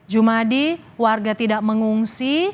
jumadi warga tidak mengungsi